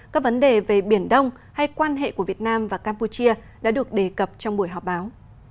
các vấn đề về biển đông hay quan hệ của việt nam và campuchia đã được đề cập trong buổi họp báo